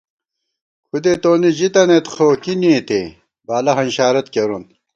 کھُدے تونی ژی تنَئیت خو کی نېتے بالہ ہنشارت کېرون